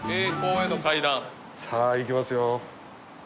さあ行きますよ